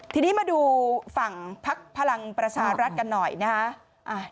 ทีนี้มาดูฝั่งพักพลังประชารัฐกันหน่อยนะฮะ